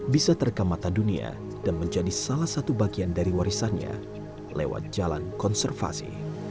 bisa terekam mata dunia dan menjadi salah satu bagian dari warisannya lewat jalan konservasi